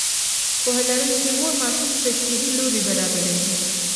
پوهه لرونکې مور ماشوم ته صحي لوبې برابروي.